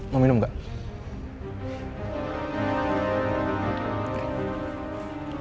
mau minum gak